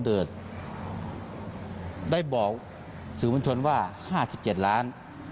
เฮ้ใครเป็นคนพูดนำมา๙๐ล้าน